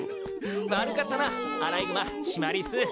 悪かったなアライグマシマリス。